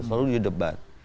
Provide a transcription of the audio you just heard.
selalu juga debat